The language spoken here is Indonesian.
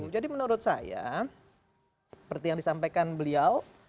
jadi menurut saya seperti yang disampaikan beliau